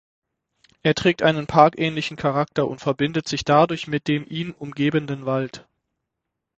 Er trägt einen parkähnlichen Charakter und verbindet sich dadurch mit dem ihn umgebenden Wald.